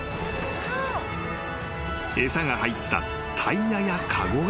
［餌が入ったタイヤや籠が］